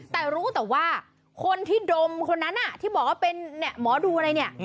แต่รู้แต่ว่าคนที่ดมคนนั้นที่บอกว่าเป็นหมอดูอะไรเนี่ย